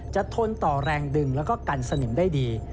ทนต่อแรงดึงแล้วก็กันสนิมได้ดี